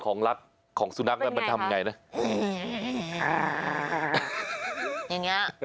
บอร์นงานจิซุกะลง